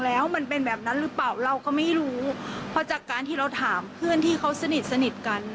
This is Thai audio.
ฟังเสียงคุณแม่และก็น้าของน้องที่เสียชีวิตค่ะ